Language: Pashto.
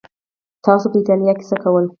تاسو په ایټالیا کې څه کول؟